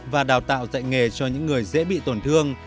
và đào tạo dạy nghề cho những người dễ bị tổn thương